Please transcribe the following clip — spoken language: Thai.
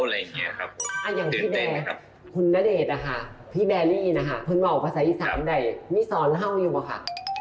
อย่างพี่แบร์คุณณเดชน์พี่แบร์รี่คุณบอกภาษาอีสานไหนมีสอนห้องอยู่ไหมคะ